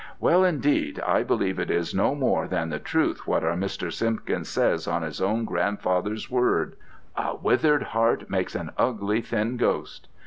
Well, indeed, I believe it is no more than the truth what our Mr. Simpkins says on his own grandfather's word, "A withered heart makes an ugly thin ghost."'